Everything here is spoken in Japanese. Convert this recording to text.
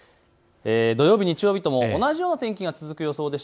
土曜日、日曜日とも同じような天気が続く予想です。